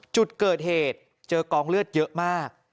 จุดเกิดเหตุเจอกองเลือดเยอะมาก